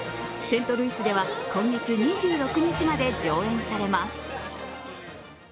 セントルイスでは今月２６日まで上演されます。